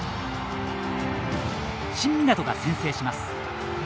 新湊が先制します。